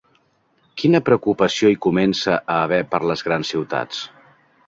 Quina preocupació hi comença a haver per les grans ciutats?